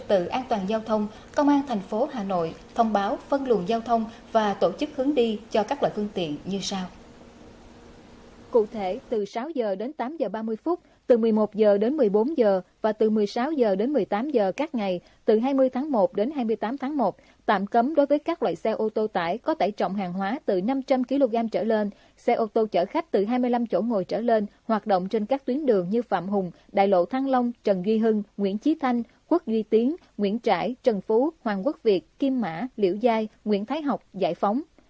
từ sáu h đến tám h ba mươi từ một mươi một h đến một mươi bốn h và từ một mươi sáu h đến một mươi tám h các ngày từ hai mươi tháng một đến hai mươi tám tháng một tạm cấm đối với các loại xe ô tô tải có tải trọng hàng hóa từ năm trăm linh kg trở lên xe ô tô chở khách từ hai mươi năm chỗ ngồi trở lên hoạt động trên các tuyến đường như phạm hùng đại lộ thăng long trần ghi hưng nguyễn trí thanh quốc ghi tiến nguyễn trãi trần phú hoàng quốc việt kim mã liễu giai nguyễn thái học giải phóng